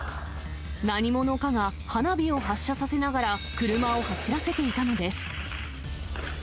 何者かが花火を発射させながら、車を走らせていたのです。